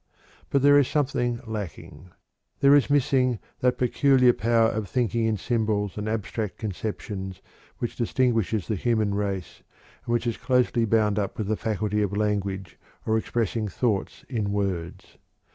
But there is something lacking. There is missing that peculiar power of thinking in symbols and abstract conceptions which distinguishes the human race and which is closely bound up with the faculty of language or expressing thoughts in words.